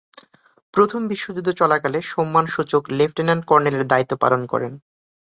প্রথম বিশ্বযুদ্ধ চলাকালে সম্মানসূচক লেফটেন্যান্ট কর্নেলের দায়িত্ব পালন করেন।